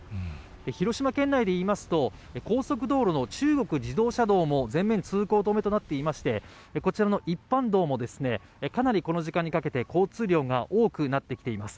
広島県内でいいますと、高速道路の中国自動車道も全面通行止めとなっていまして、こちらの一般道もですね、かなりこの時間にかけて交通量が多くなってきています。